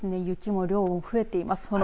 雪も量が増えています。